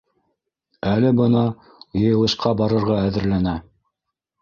Әле бына йыйылышҡа барырға әҙерләнә.